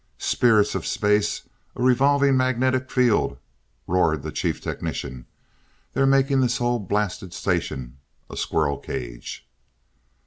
"Spirits of Space a revolving magnetic field!" roared the Chief Technician. "They're making this whole blasted station a squirrel cage!"